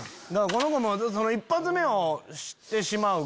この子も１発目をしてしまう。